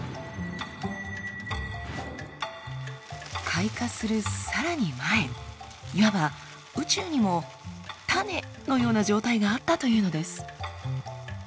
開花するさらに前いわば宇宙にも種のような状態があったというのです。